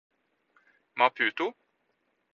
Maputo